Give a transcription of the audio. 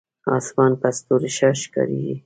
اسمان په ستورو ښه ښکارېږي.